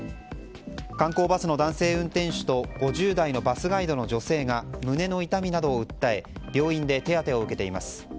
観光バスの男性運転手と５０代のバスガイドの女性が胸の痛みなどを訴え病院で手当てを受けています。